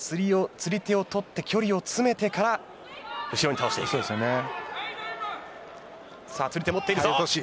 釣り手を取って距離を詰めてから後ろに倒すという戦法です。